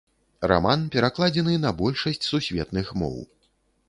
Раман перакладзены на большасць сусветных моў.